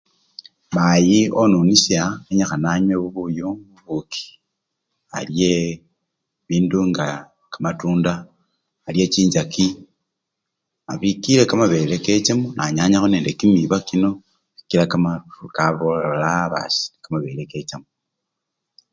Mayi onunisha kenyikhana anywe buyu-bubuki, alye bibindu nga kamatunda, alye chinchaki, bikile kamabele kechemo nanyanyakho nende kimiba kino sikila bikhola basi kamechi kechemo.